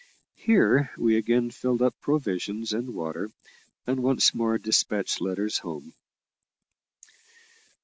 Here we again filled up provisions and water, and once more despatched letters home.